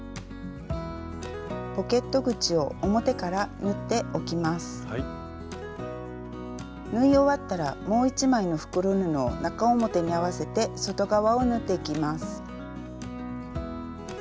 縫い終わったらもう一枚の袋布を中表に合わせて外側を縫っていきます。